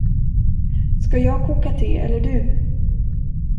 Ska jag koka te eller du?